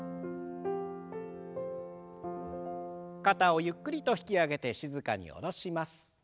肩をゆっくりと引き上げて静かに下ろします。